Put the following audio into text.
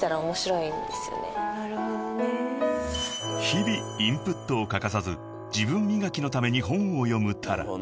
［日々インプットを欠かさず自分磨きのために本を読むＴａｒａ］